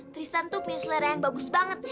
tristan tuh punya selera yang bagus banget